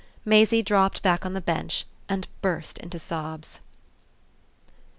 Maisie dropped back on the bench and burst into sobs.